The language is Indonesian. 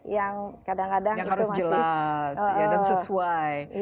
yang harus jelas dan sesuai